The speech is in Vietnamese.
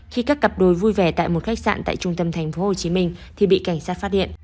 khi các cặp đôi vui vẻ tại một khách sạn tại trung tâm tp hcm thì bị cảnh sát phát hiện